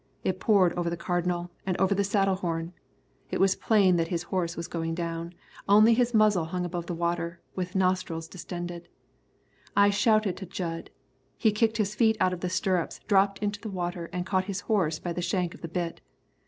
It poured over the Cardinal, and over the saddle horn. It was plain that the horse was going down. Only his muzzle hung above the water, with the nostrils distended. I shouted to Jud. He kicked his feet out of the stirrups, dropped into the water and caught his horse by the shank of the bit.